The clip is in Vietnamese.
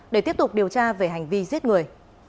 để tiếp tục điều tra về hành vi giết người